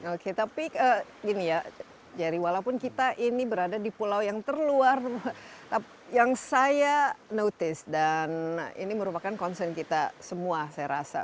oke tapi gini ya jerry walaupun kita ini berada di pulau yang terluar yang saya notice dan ini merupakan concern kita semua saya rasa